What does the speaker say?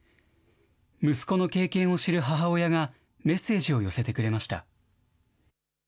息子の経験を知る母親がメッセージを寄せてくれました。